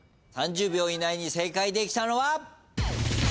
３０秒以内に正解できたのは。